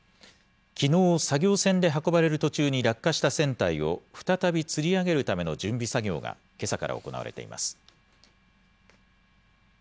きのう、作業船で運ばれる途中に落下した船体を、再びつり上げるための準備作業が、けさから行われています。